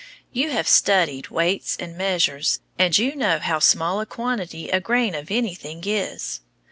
You have studied weights and measures, and you know how small a quantity a grain of anything is.